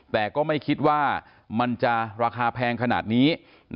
แต่ก็ไม่คิดว่ามันจะราคาแพงขนาดนี้